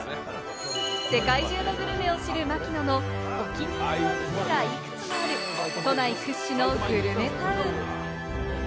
世界中のグルメを知る槙野のお気に入りの店がいくつもある、都内屈指のグルメタウン。